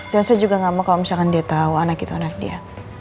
dan saya juga enggak mau kalau misalkan dia tahu anak itu anak dia